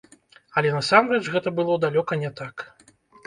Але насамрэч гэта было далёка не так.